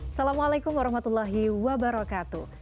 assalamualaikum warahmatullahi wabarakatuh